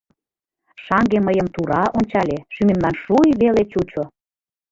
Шаҥге мыйым тура ончале, шӱмемлан шуй веле чучо.